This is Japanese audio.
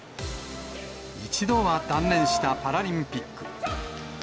一度は断念したパラリンピック。